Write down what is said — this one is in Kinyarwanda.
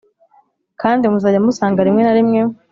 kandi muzajya musanga rimwe na rimwe